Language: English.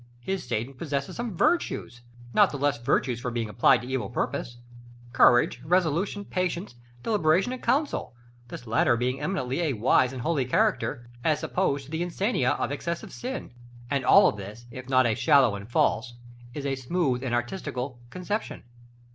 His Satan possesses some virtues, not the less virtues for being applied to evil purpose. Courage, resolution, patience, deliberation in council, this latter being eminently a wise and holy character, as opposed to the "Insania" of excessive sin: and all this, if not a shallow and false, is a smooth and artistical, conception.